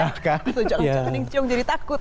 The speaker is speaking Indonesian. jangan jatuh jatuh jiong jadi takut